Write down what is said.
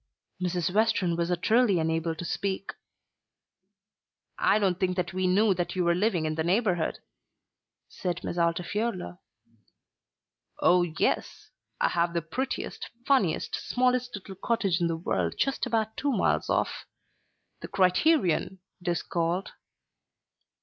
Mrs. Western was utterly unable to speak. "I don't think that we knew that you were living in the neighbourhood," said Miss Altifiorla. "Oh, yes; I have the prettiest, funniest, smallest little cottage in the world just about two miles off. The Criterion it is called."